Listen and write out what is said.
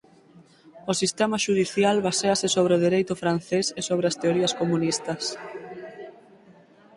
O sistema xudicial baséase sobre o dereito francés e sobre as teorías comunistas.